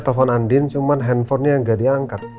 telfon andin cuman handphonenya gak diangkat